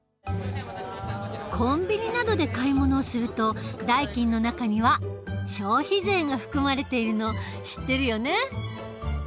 コンビニなどで買い物をすると代金の中には消費税が含まれているの知ってるよね。